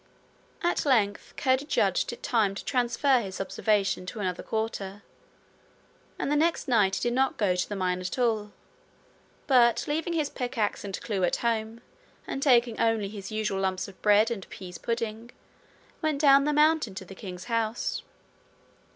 At length Curdie judged it time to transfer his observation to another quarter, and the next night he did not go to the mine at all; but, leaving his pickaxe and clue at home, and taking only his usual lumps of bread and pease pudding, went down the mountain to the king's house.